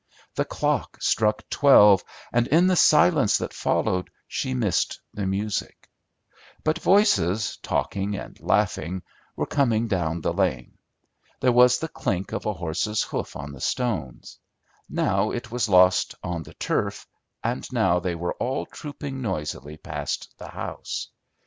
The clock struck twelve, and in the silence that followed she missed the music; but voices talking and laughing were coming down the lane. There was the clink of a horse's hoof on the stones: now it was lost on the turf, and now they were all trooping noisily past the house.